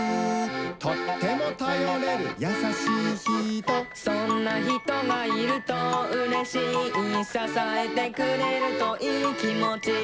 「とってもたよれるやさしいひと」「そんなひとがいるとうれしい」「ささえてくれるといいきもち」